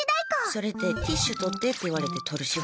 それってティッシュ取ってって言われて取る仕事？